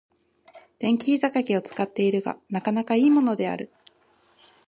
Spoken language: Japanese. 電気ひざかけを使っているが、なかなか良いものである。